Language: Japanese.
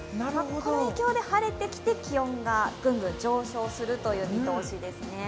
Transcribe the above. この影響で晴れてきて気温がグングン上昇するという見通しですね。